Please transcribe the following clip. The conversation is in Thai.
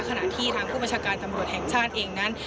ขณะที่ทางผู้บัญชาการตำรวจแห่งชาติเองนั้น